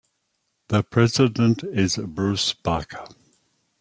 The president is Bruce Barker.